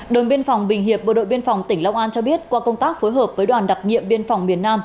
đồn biên phòng bình hiệp bộ đội biên phòng tỉnh long an cho biết qua công tác phối hợp với đoàn đặc nhiệm biên phòng miền nam